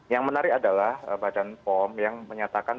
yang menarik adalah badan pom yang menyatakan